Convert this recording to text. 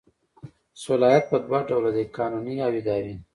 صلاحیت په دوه ډوله دی قانوني او اداري.